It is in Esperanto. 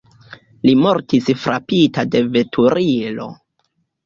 Li mortis frapita de veturilo.